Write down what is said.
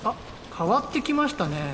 変わってきましたねぇ。